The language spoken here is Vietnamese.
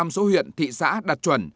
năm mươi số huyện thị xã đặt chuẩn